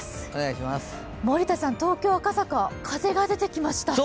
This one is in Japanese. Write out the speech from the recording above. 森田さん、東京・赤坂風が出てきました。